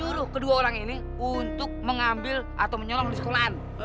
udah jam banyak ngomong bonar ayah nggak suka nakal